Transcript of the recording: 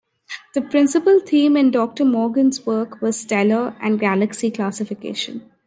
The principal theme in Doctor Morgan's work was stellar and galaxy classification.